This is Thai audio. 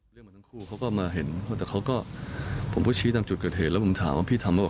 มาทั้งคู่เขาก็มาเห็นแต่เขาก็ผมก็ชี้นำจุดเกิดเหตุแล้วผมถามว่าพี่ทำหรือเปล่า